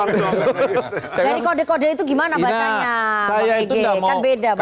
dari kode kode itu gimana bacanya bapak ege kan beda bapak ege